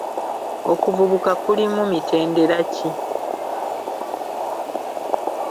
Okuvubuka kulimu mitendera ki?